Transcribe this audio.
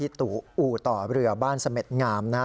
ที่ตู่อู่ต่อเรือบ้านเสม็ดงามนะ